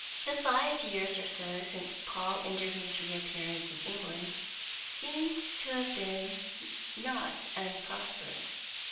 The five years or so since Paul Enderby's reappearance in England seemed to have been not unprosperous.